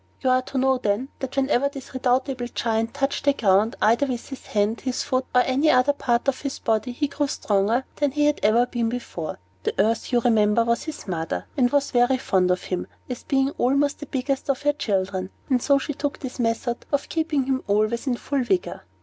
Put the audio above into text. You are to know, then, that whenever this redoubtable Giant touched the ground, either with his hand, his foot, or any other part of his body, he grew stronger than ever he had been before. The Earth, you remember, was his mother, and was very fond of him, as being almost the biggest of her children; and so she took this method of keeping him always in full vigor.